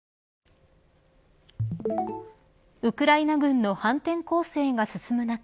ウクライナ軍の反転攻勢が進む中